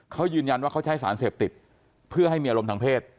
เขายืนยันว่าเขาใช้สารเสพติดเพื่อให้มีอารมณ์ทางเพศ